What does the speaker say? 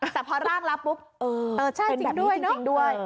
แต่พอร่างแล้วปุ๊บเออเป็นแบบนี้จริงด้วย